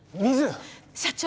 社長！